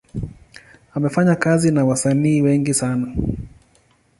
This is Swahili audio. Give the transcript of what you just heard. Amefanya kazi na wasanii wengi sana.